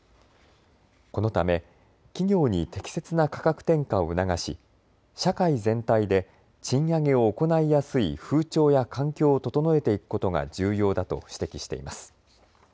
このため企業に適切な価格転嫁を促し社会全体で賃上げを行いやすい風潮や環境を整えていくことが重要だと指摘しています。